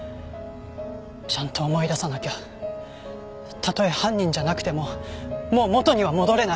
ちゃんと思い出さなきゃたとえ犯人じゃなくてももう元には戻れない！